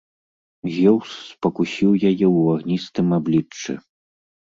Зеўс спакусіў яе ў агністым абліччы.